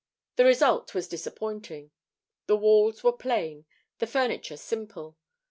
The result was disappointing. The walls were plain, the furniture simple.